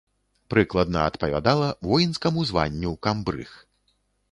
Прыкладна адпавядала воінскаму званню камбрыг.